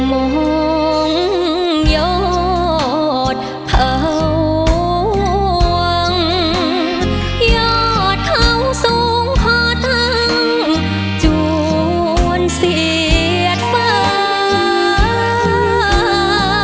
มองหยอดเผาหวังหยอดเผาสูงพอทั้งจวนเสียดฟ้า